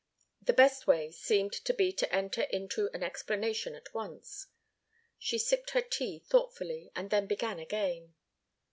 The best way seemed to be to enter into an explanation at once. She sipped her tea thoughtfully and then began again.